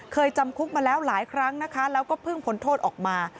เคยจำคุกมาแล้วหลายครั้งแล้วก็เพิ่งผลโทษออกมา